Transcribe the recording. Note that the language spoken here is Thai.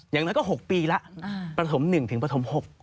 อย่างนั้นก็๖ปีแล้วประถม๑ถึงประถม๖